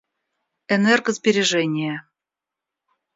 Энергосбережение